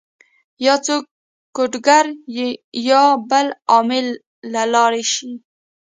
يا څوک کوډ ګر يا بل عامل له لاړ شي